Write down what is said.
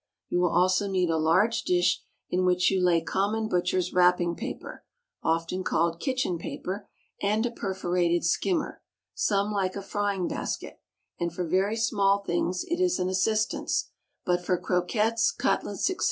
You will also need a large dish, in which you lay common butcher's wrapping paper (often called "kitchen paper") and a perforated skimmer some like a frying basket, and for very small things it is an assistance; but for croquettes, cutlets, etc.